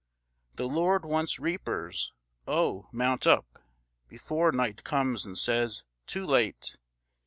The Lord wants reapers: O, mount up, Before night comes, and says, "Too late!"